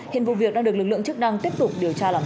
hiện vụ việc đang được lực lượng chức năng tiếp tục điều tra làm rõ